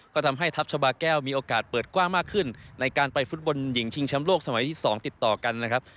ก็ทำให้ทัพชาบาแก้วมีโอกาสเปิดกว้างมากขึ้นในการไปฟุตบอลหญิงชิงแชมป์โลกสมัยที่๒ติดต่อกันนะครับ